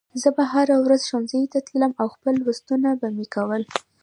ما به هره ورځ ښوونځي ته تلم او خپل لوستونه به مې کول